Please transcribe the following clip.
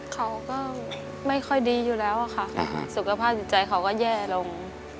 เขาก็ไม่ค่อยดีอยู่แล้วค่ะสุขภาพจิตใจเขาก็แย่ลง